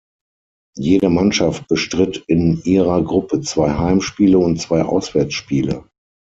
Jede Mannschaft bestritt in ihrer Gruppe zwei Heimspiele und zwei Auswärtsspiele.